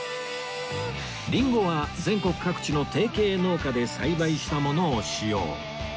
リンゴは全国各地の提携農家で栽培したものを使用